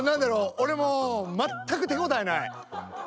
俺も全く手応えない。